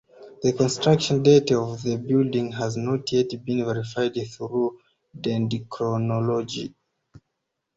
The construction date of the building has not yet been verified through dendrochronology.